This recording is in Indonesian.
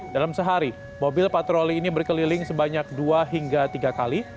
dalam sehari mobil patroli ini berkeliling sebanyak dua hingga tiga kali